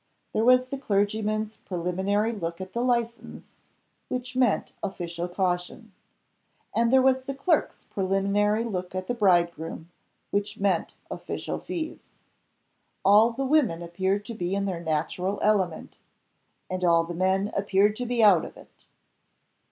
There was the clergyman's preliminary look at the license which meant official caution. And there was the clerk's preliminary look at the bridegroom which meant official fees. All the women appeared to be in their natural element; and all the men appeared to be out of it.